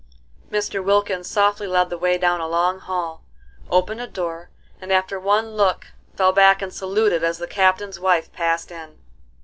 Mr. Wilkins softly led the way down a long hall, opened a door, and after one look fell back and saluted as the Captain's wife passed in.